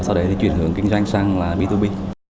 sau đấy thì chuyển hưởng kinh doanh sang b hai b